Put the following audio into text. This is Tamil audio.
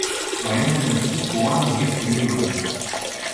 வயந்தகனுக்குப் போன உயிர் திரும்பிவந்தது.